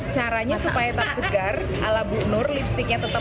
caranya supaya tetap segar ala bu nur lipsticknya tetap